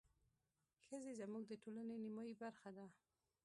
ښځې زموږ د ټولنې نيمايي برخه ده.